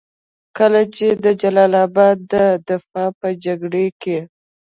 کله چې د جلال اباد د دفاع په جګړه کې.